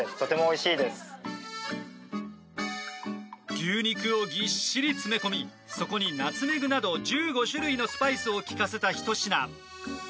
牛肉をぎっしり詰め込みそこにナツメグなど１５種類のスパイスを効かせたひと品。